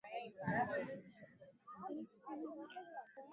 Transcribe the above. kugawana maeneo ya mji wa jerusalem kwa taarifa zaidi huyu hapa enamuel